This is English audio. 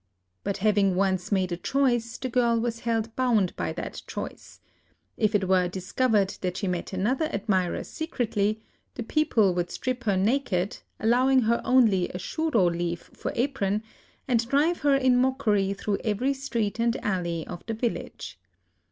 But having once made a choice, the girl was held bound by that choice. If it were discovered that she met another admirer secretly, the people would strip her naked, allowing her only a shuro lesd for apron, and drive her in mockery through every street and alley of the village.